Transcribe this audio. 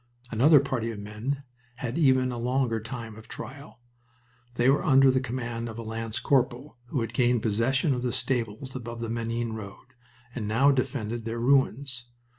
Another party of men had even a longer time of trial. They were under the command of a lance corporal, who had gained possession of the stables above the Menin road and now defended their ruins.